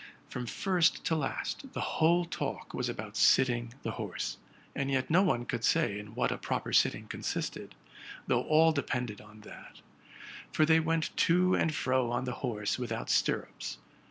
From first to last, the whole talk was about sitting the horse: and yet no one could say in what a proper sitting consisted, though all depended on that; for they went to "and fro on the horse without stirrups.